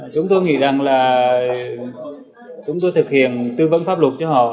chúng tôi nghĩ rằng là chúng tôi thực hiện tư vấn pháp luật cho họ